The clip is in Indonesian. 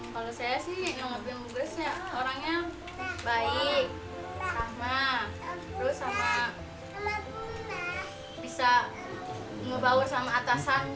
kalau saya sih nyomotin mbak grace ya orangnya baik ramah terus sama bisa membawa sama atasan